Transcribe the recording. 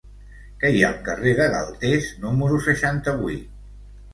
Què hi ha al carrer de Galtés número seixanta-vuit?